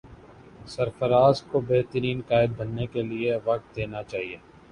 سرفراز کو بہترین قائد بننے کے لیے وقت دینا چاہیے